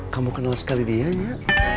kamu kenal sekali dia ya